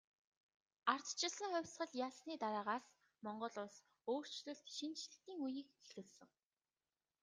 Ардчилсан хувьсгал ялсны дараагаас Монгол улс өөрчлөлт шинэчлэлтийн үеийг эхлүүлсэн.